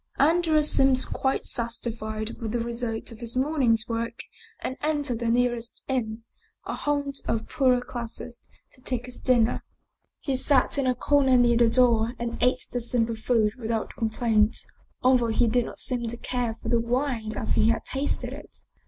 Andrea seemed quite satisfied with the result of his morning's work and entered the nearest inn, a haunt of the poorer classes, to take his dinner. He sat in a corner near the door and ate the simple food without complaint, al though he did not seem to care for the wine after he had tasted it.